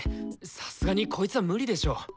さすがにこいつは無理でしょ。